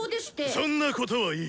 そんなことはいい！